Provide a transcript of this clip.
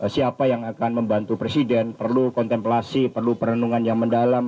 siapa yang akan membantu presiden perlu kontemplasi perlu perenungan yang mendalam